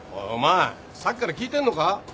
さっきから聞いてんのか？